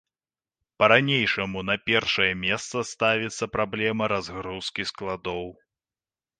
Па-ранейшаму на першае месца ставіцца праблема разгрузкі складоў.